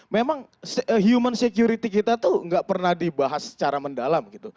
memang human security kita itu tidak pernah dibahas secara mendalam